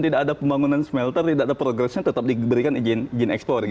tidak ada pembangunan smelter tidak ada progresnya tetap diberikan izin ekspor